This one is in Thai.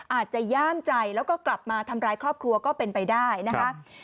อาจจะย่ามใจแล้วก็กลับมาทำร้ายครอบครัวก็เป็นไปได้นะคะ